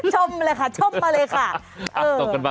ชมเลยค่ะชมมาเลยค่ะ